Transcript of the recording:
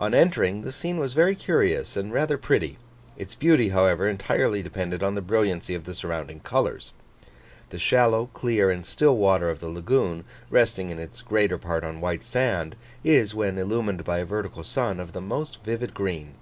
On entering, the scene was very curious and rather pretty; its beauty, however, entirely depended on the brilliancy of the surrounding colours. The shallow, clear, and still water of the lagoon, resting in its greater part on white sand, is, when illumined by a vertical sun, of the most vivid green.